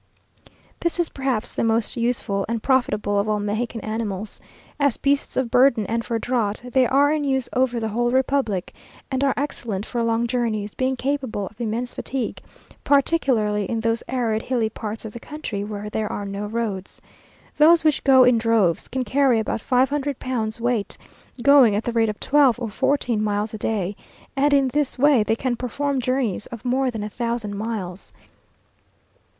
This is, perhaps, the most useful and profitable of all Mexican animals. As beasts of burden and for draught, they are in use over the whole republic, and are excellent for long journeys, being capable of immense fatigue, particularly in those arid, hilly parts of the country, where there are no roads. Those which go in droves, can carry about five hundred pounds weight, going at the rate of twelve or fourteen miles a day, and in this way they can perform journeys of more than a thousand miles.